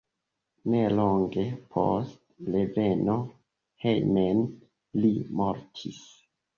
Nelonge post reveno hejmen li mortis.